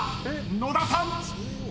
［野田さん］